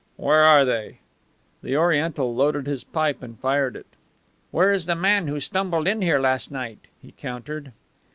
"Where are they?" The Oriental loaded his pipe and fired it. "Where is the man who stumbled in here last night?" he countered.